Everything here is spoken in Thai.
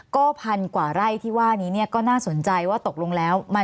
ก็พันกว่าไร่ที่ว่านี้เนี่ยก็น่าสนใจว่าตกลงแล้วมัน